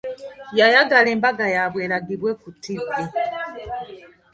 Yayagala embaga yaabwe eragibwe ku tivi.